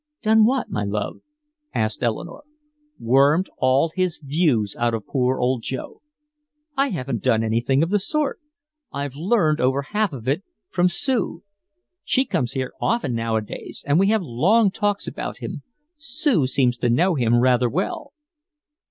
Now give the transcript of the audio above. "Done what, my love?" asked Eleanore. "Wormed all his views out of poor old Joe." "I haven't done anything of the sort. I've learned over half of it from Sue. She comes here often nowadays and we have long talks about him. Sue seems to know him rather well."